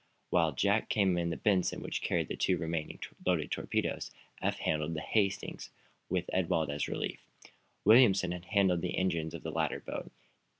While Jack came in the "Benson," which carried the two remaining loaded torpedoes, Eph had handled the "Hastings," with Ewald as relief. Williamson had handled the engines of the latter boat.